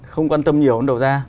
không quan tâm nhiều đến đầu ra